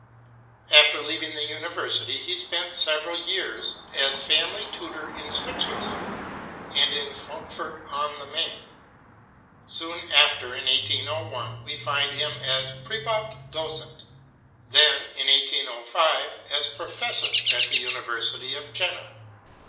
After leaving the University he spent seven years as family tutor in Switzerland and in Frankfurt on the Main. Soon after, in 1801, we find him as Frivat Docent; then, in 1805, as professor at the University of Jena.